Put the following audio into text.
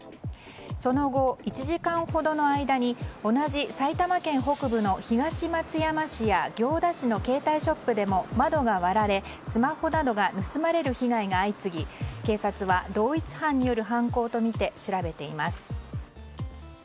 その後、１時間ほどの間に同じ埼玉県北部の東松山市や行田市の携帯ショップでも窓が割られスマホなどが盗まれる被害が相次ぎ警察は同一犯による犯行とみて調べています。